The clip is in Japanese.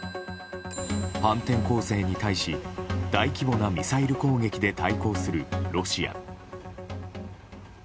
反転攻勢に対し大規模なミサイル攻撃で対抗するロシア。